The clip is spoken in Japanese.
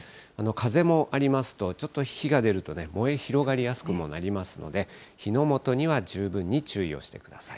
風もありますと、ちょっと火が出るとね、燃え広がりやすくもなりますので、火の元には十分に注意をしてください。